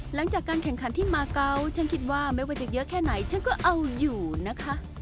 หลังจากการแข่งขันที่มาเกาะฉันคิดว่าไม่ว่าจะเยอะแค่ไหนฉันก็เอาอยู่นะคะ